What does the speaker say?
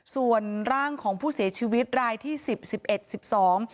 ส่วนร่างของผู้เสียชีวิตรายที่สิบสิบเอ็ดสิบสอง